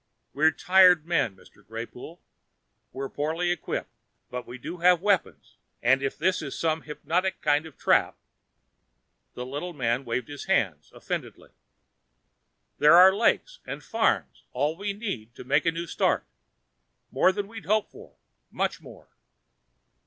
"We're tired men, Mr. Greypoole; we're poorly equipped, but we do have weapons and if this is some hypnotic kind of trap...." The little man waved his hand, offendedly. "There are lakes and farms and all we need to make a new start more than we'd hoped for, much more."